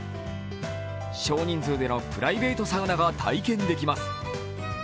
少人数でのプライベートサウナが体験できます。